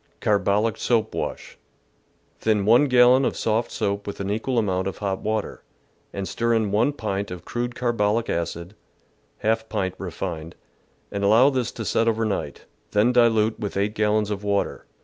Carbolic soap Wash. — Thin 1 gallon of soft soap with an equal amount of hot water, and stir in 1 pint of crude carbolic acid (% pint refined) and allow this to set over night, then dilute with 8 gallons of water.